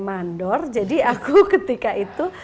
mandor jadi aku ketika itu